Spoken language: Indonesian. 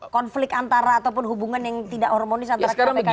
konflik antara ataupun hubungan yang tidak hormonis antara kpk